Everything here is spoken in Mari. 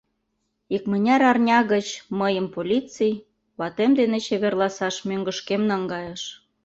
Икмыняр арня гыч мыйым полиций ватем дене чеверласаш мӧҥгышкем наҥгайыш.